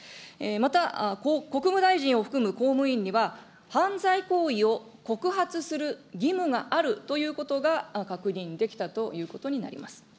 また国務大臣を含む公務員には、犯罪行為を告発する義務があるということが、確認できたということになります。